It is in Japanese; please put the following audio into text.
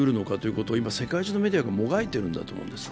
ことを今、世界中のメディアがもがいてるんだと思うんです。